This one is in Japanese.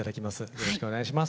よろしくお願いします。